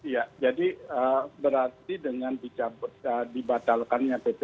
ya jadi berarti dengan dibatalkannya ppkm level tiga